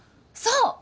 そう！